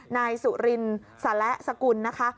นายสุรินสละสกุลนะคะ